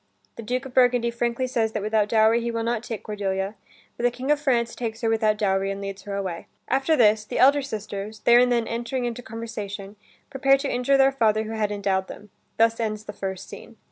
The Duke of Burgundy frankly says that without dowry he will not take Cordelia, but the King of France takes her without dowry and leads her away. After this, the elder sisters, there and then entering into conversation, prepare to injure their father who had endowed them. Thus ends the first scene.